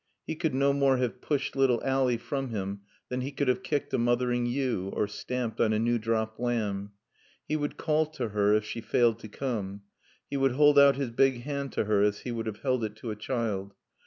He could no more have pushed little Ally from him than he could have kicked a mothering ewe, or stamped on a new dropped lamb. He would call to her if she failed to come. He would hold out his big hand to her as he would have held it to a child.